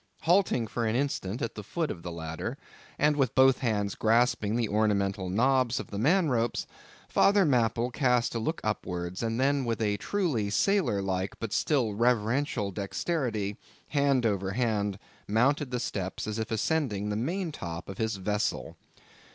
Halting for an instant at the foot of the ladder, and with both hands grasping the ornamental knobs of the man ropes, Father Mapple cast a look upwards, and then with a truly sailor like but still reverential dexterity, hand over hand, mounted the steps as if ascending the main top of his vessel.